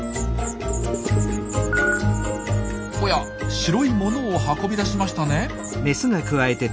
白いものを運び出しましたね。